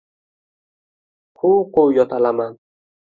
Quv-quv yo‘talaman.